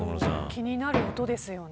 気になる音ですよね。